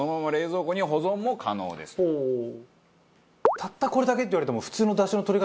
「たったこれだけ」って言われても。